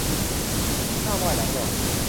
หน้าไหว้หลังหลอก